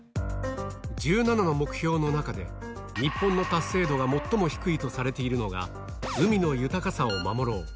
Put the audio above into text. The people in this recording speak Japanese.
１７の目標の中で、日本の達成度が最も低いとされているのが、海の豊かさを守ろう。